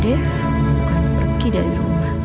dev bukan pergi dari rumah